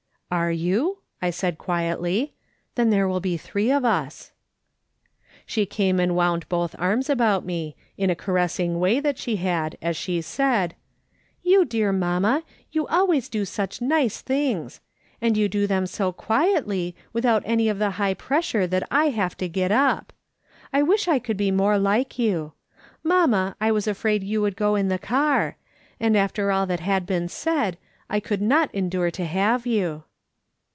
" Are you ?" I said quietly ;" then there will be three of us." She came and wound both arms about me, in a caressing way that she had, as she said : "You dear mamma, you always do such nice things ! And you do them so quietly, without any of the high pressure that I have to get up. I wish I could be more like you. Mamma, I was afraid you would go in the car ; and after all that had been said, I could not endure to have you."